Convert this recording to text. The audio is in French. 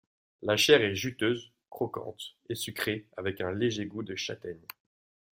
La chair est juteuse, croquante et sucrée, avec un léger goût de châtaigne.